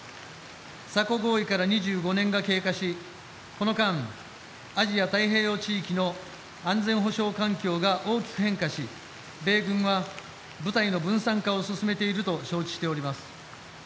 ＳＡＣＯ合意から２５年が経過しこの間、アジア太平洋地域の安全保障環境が大きく変化し米軍は部隊の分散化を進めていると承知しております。